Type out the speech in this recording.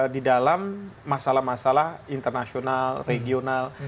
di dalam masalah masalah internasional regional